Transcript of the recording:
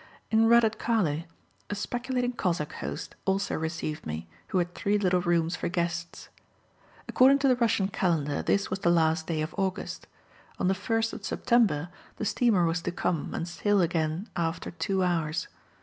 In Redutkale, a speculating Cossack host also received me, who had three little rooms for guests. According to the Russian calendar, this was the last day of August. On the 1st of September, the steamer was to come, and sail again after two hours.